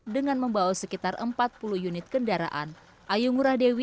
dengan membawa sekitar empat puluh unit kendaraan